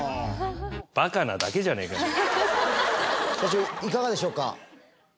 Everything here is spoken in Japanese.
バカなだけじゃねえかよ！社長いかがでしょうか？